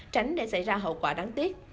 tránh để xảy ra hậu quả đáng tiếc